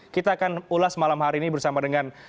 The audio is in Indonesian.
kita akan ulas malam hari ini bersama dengan